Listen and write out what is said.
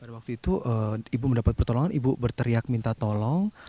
waktu itu ibu mendapat pertolongan ibu berteriak minta tolong